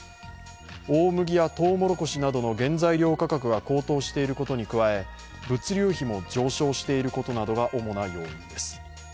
大麦やとうもろこしなどの原材料価格が高騰していることに加え、物流費も上昇していることなどが主な要因です。